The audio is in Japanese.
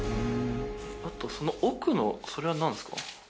あとその奥のそれは何ですか？